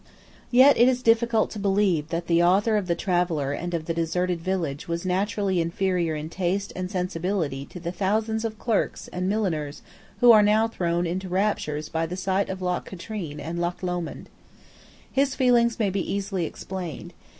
Yet it is difficult to believe that the author of the Traveller and of the Deserted Village was naturally inferior in taste and sensibility to the thousands of clerks and milliners who are now thrown into raptures by the sight of Loch Katrine and Loch Lomond, His feelings may easily be explained.